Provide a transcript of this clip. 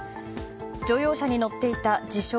乗用車に乗っていた自称